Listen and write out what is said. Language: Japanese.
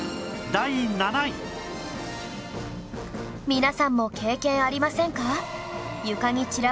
皆さんも経験ありませんか？